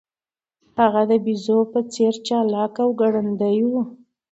هغه د بیزو په څیر چلاک او ګړندی و.